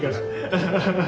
アハハハ。